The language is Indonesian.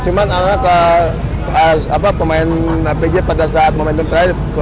cuman anak anak pemain pg pada saat momentum terakhir